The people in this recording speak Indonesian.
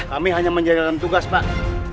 kami hanya menjalankan tugas pak